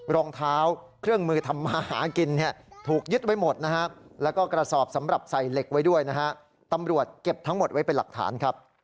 แล้วก็กระสอบสำหรับใส่เหล็กไว้ด้วยนะฮะตำรวจเก็บทั้งหมดไว้เป็นหลักฐานครับ